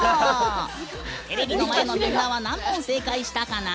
テレビの前のみんなは何問正解したかな？